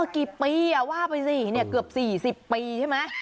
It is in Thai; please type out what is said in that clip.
กี่ปีว่าไปสิเนี่ยเกือบ๔๐ปีใช่ไหม